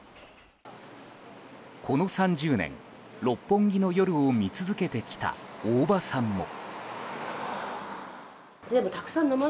この３０年、六本木の夜を見続けてきた大場さんも。